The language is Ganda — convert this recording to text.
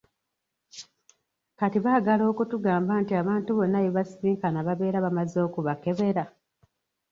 Kati baagala okutugamba nti abantu bonna be basisinkana babeera bamaze okubakebera?